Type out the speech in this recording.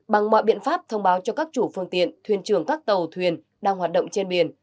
bằng mọi biện pháp thông báo cho các chủ phương tiện thuyền trường các tàu thuyền đang hoạt động trên biển